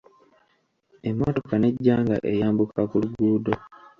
Emmotoka n'ejja nga eyambuka ku luguudo.